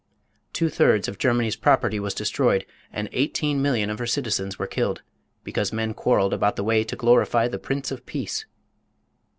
Two thirds of Germany's property was destroyed and 18,000,000 of her citizens were killed, because men quarrelled about the way to glorify "The Prince of Peace."